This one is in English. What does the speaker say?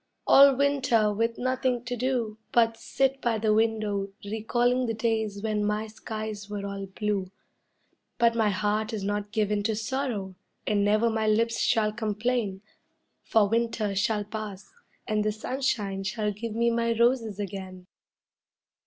All winter with nothing to do But sit by the window recalling the days when my skies were all blue; But my heart is not given to sorrow and never my lips shall complain, For winter shall pass and the sunshine shall give me my roses again.